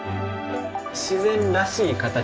自然らしい形